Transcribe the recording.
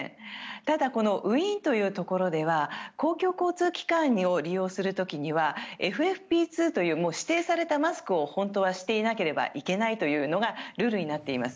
ただ、ウィーンというところでは公共交通機関を利用する時にはＦＦＰ２という指定されたマスクを、本当はしていなければいけないというのがルールになっています。